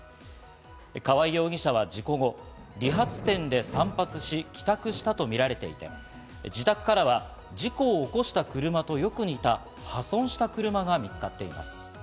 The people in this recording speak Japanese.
川合容疑者は事故後、理髪店で散髪し帰宅したとみられていて、自宅からは事故を起こした車とよく似た破損した車が見つかっています。